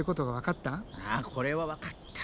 あこれは分かった。